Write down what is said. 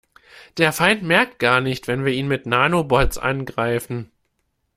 Der Feind merkt gar nicht, wenn wir ihn mit Nanobots angreifen.